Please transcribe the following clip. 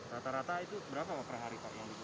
rata rata itu berapa per hari